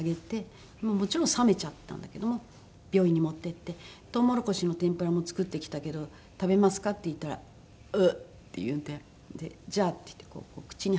もちろん冷めちゃったんだけども病院に持っていって「トウモロコシの天ぷらも作ってきたけど食べますか？」って言ったら「うん」って言うんで「じゃあ」って言ってこう口に運んだんですよ。